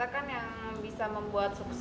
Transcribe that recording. karena kita kan yang bisa membuat sukses